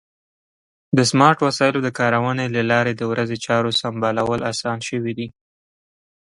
د سمارټ وسایلو د کارونې له لارې د ورځې چارو سمبالول اسان شوي دي.